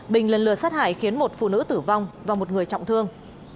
bình lần lượt sát hại khiến một phụ nữ tử vong và một người trọng thương